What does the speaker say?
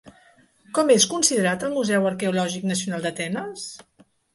Com és considerat el Museu Arqueològic Nacional d'Atenes?